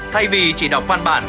thay vì chỉ đọc văn bản